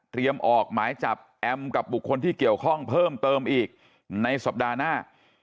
ออกหมายจับแอมกับบุคคลที่เกี่ยวข้องเพิ่มเติมอีกในสัปดาห์หน้า